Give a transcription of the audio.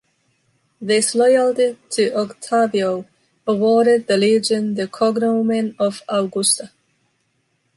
This loyalty to Octavio awarded the legion the cognomen of “Augusta.”